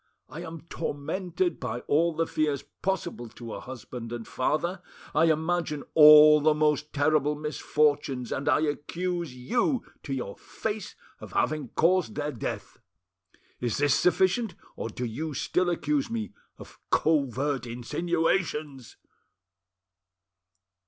I am tormented by all the fears possible to a husband and father; I imagine all the most terrible misfortunes, and I accuse you to your face of having caused their death! Is this sufficient, or do you still accuse me of covert insinuations?"